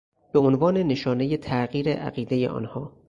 به عنوان نشانهی تغییر عقیدهی آنها